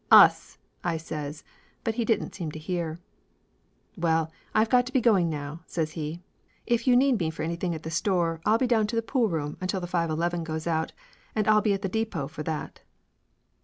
"Us !" I says. But he didn't seem to hear. "Well, I've got to be going now," says he. "If you need me for anything at the store I'll be down to the poolroom until the 5.11 goes out, and I'll be at the depot for that."